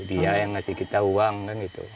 dia yang ngasih kita uang kan gitu